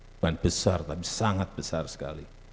bukan besar tapi sangat besar sekali